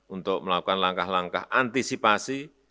untuk melakukan langkah langkah antisipasi